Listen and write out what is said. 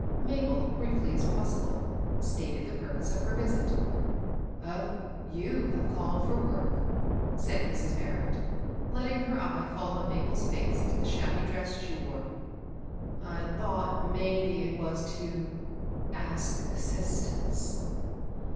Mabel, briefly as possible, stated the purpose of her visit. "Oh, you have caUed for work," said Mrs, Barrett, letting her eye fall fi:om Mabel's face to the shabby dress she wore. " I thought maybe it was to ask assistance."